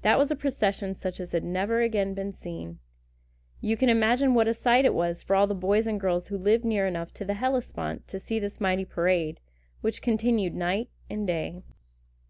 That was a procession such as has never again been seen. You can imagine what a sight it was for all the boys and girls who lived near enough to the Hellespont to see this mighty parade, which continued night and day.